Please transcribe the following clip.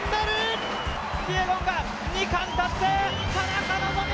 キピエゴンが２冠達成、田中希実